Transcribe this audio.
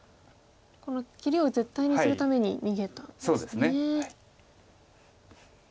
この切りを絶対にするために逃げたんですね。